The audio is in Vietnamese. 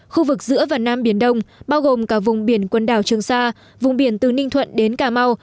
khu vực giữa và nam biển đông bao gồm cả vùng biển quần đảo trường sa vùng biển từ ninh thuận đến cà mau